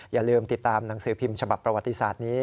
อย่าลืมติดตามหนังสือพิมพ์ฉบับประวัติศาสตร์นี้